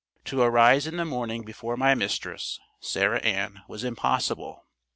To arise in the morning before my mistress, Sarah Ann, was impossible."